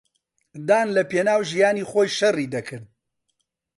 دان لەپێناو ژیانی خۆی شەڕی دەکرد.